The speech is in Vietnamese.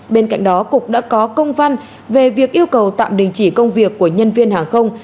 bên cạnh đó cục đã có công văn về việc yêu cầu tạm đình chỉ công việc của nhân viên hàng không